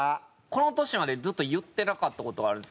この年までずっと言ってなかった事があるんですけど。